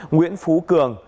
nguyễn phú cường